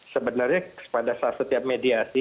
sebenarnya pada saat setiap mediasi